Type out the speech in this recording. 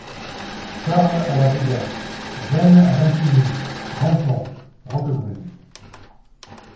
Charles a la Briga ; Gênes a Vintimille, Menton, Roquebrune.